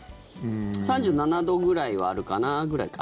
３７度ぐらいはあるかな？ぐらいかな。